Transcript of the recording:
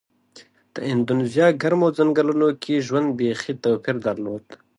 د اندونیزیا ګرمو ځنګلونو کې ژوند بېخي توپیر درلود.